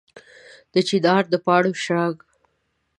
د چنار د پاڼو شرنګ